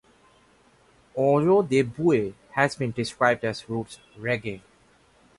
Ojo de Buey has been described as roots reggae.